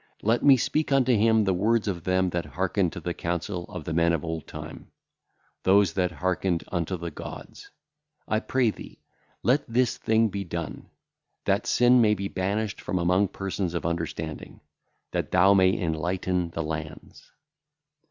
Let me speak unto him the words of them that hearken to the counsel of the men of old time; those that hearkened unto the gods. I pray thee, let this thing be done, that sin may be banished from among persons of understanding, that thou may enlighten the lands.'